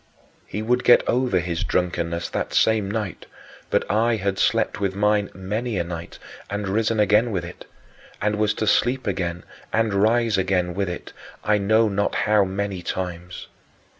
He would get over his drunkenness that same night, but I had slept with mine many a night and risen again with it, and was to sleep again and rise again with it, I know not how many times.